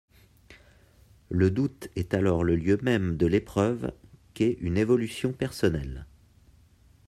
Le doute est alors le lieu même de l'épreuve qu'est une évolution personnelle.